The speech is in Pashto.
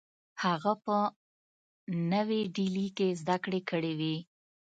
هغه په نوې ډیلي کې زدکړې کړې وې